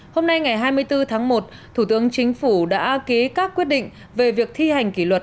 hôm nay ngày hai mươi bốn tháng một thủ tướng chính phủ đã ký các quyết định về việc thi hành kỷ luật